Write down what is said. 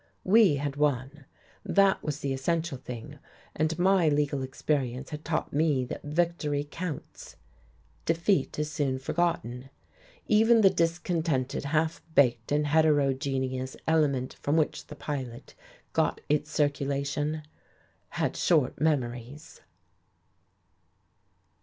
We had won. That was the essential thing. And my legal experience had taught me that victory counts; defeat is soon forgotten. Even the discontented, half baked and heterogeneous element from which the Pilot got its circulation had short memories.